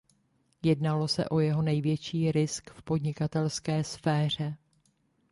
Jednalo se o jeho největší risk v podnikatelské sféře.